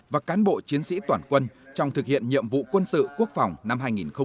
và cán bộ chiến sĩ toàn quân trong thực hiện nhiệm vụ quân sự quốc phòng năm hai nghìn một mươi chín